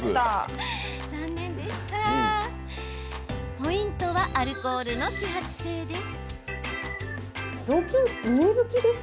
ポイントはアルコールの揮発性です。